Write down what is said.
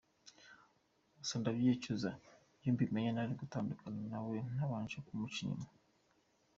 Gusa ndabyicuza, iyo mbimenya nari gutandukana nawe ntabanje kumuca inyuma.